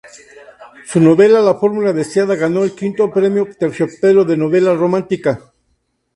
Su novela "La fórmula deseada", ganó el V Premio Terciopelo de novela romántica.